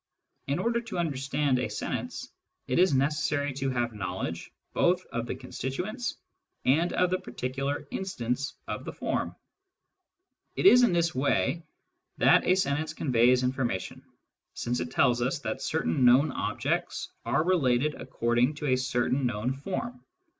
In order to' understand a sentence, it is necessary to have knowledge both of the constituents and of the particular instance of the form. It is in this way that a sentence conveys Digitized by Google 44 SCIENTIFIC METHOD IN PHILOSOPHY information, since it tells us that certain known objects are related according to a certain known form.